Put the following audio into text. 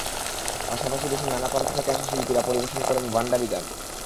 পাশাপাশি দেশের নানা প্রান্ত থেকে আসা শিল্পীরা পরিবেশন করেন ভাণ্ডারি গান।